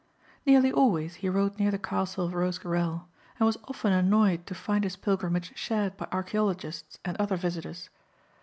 Nearly always he rode near the castle of Rosecarrel and was often annoyed to find his pilgrimage shared by archæologists and other visitors.